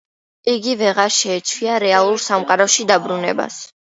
იგი ვეღარ შეეჩვია რეალურ სამყაროში დაბრუნებას.